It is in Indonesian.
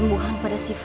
om terima kasih